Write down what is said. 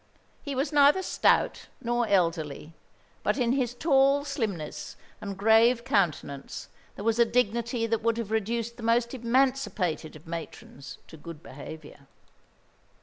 He was neither stout nor elderly; but in his tall slimness and grave countenance there was a dignity that would have reduced the most emancipated of matrons to good behaviour.